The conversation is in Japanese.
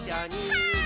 はい。